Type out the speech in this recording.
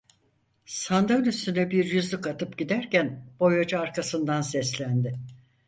Sandığın üstüne bir yüzlük atıp giderken boyacı arkasından seslendi.